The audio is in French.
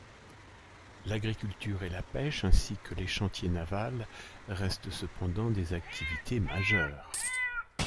L'agriculture et la pêche, ainsi que les chantiers navals restent cependant des activités majeures.